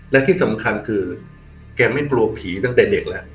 และที่สำคัญคือแกไม่กลัวผีตั้งแต่เด็กแล้ว